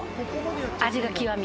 味は極み。